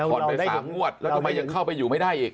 ผมไปทำ๓่วดลงมาอยู่เราจะเข้าไปอยู่ไม่ได้อีก